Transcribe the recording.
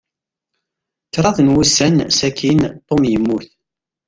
Kṛaḍ n wussan sakin, Tom yemmut.